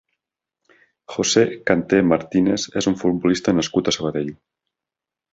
José Kanté Martínez és un futbolista nascut a Sabadell.